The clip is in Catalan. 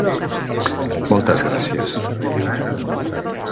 Moltes gràcies